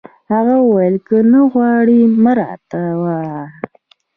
هغه وویل: که نه غواړي، مه راته وایه.